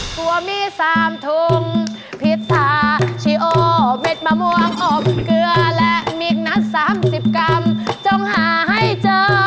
ตัวมี๓ถุงพิษาชีโอเม็ดมะม่วงอบเกลือและมิกนัด๓๐กรัมจงหาให้เจอ